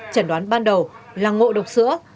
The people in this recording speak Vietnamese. chẩn đoán ban đầu là ngộ độc sữa